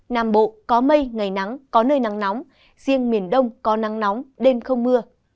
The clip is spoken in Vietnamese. nam bộ có mây ngày nắng có nơi nắng nóng riêng miền đông có nắng nóng đêm không mưa